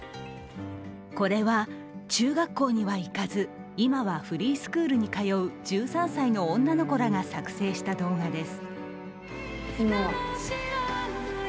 これは、中学校には行かず今はフリースクールに通う１３歳の女の子らが作成した動画です。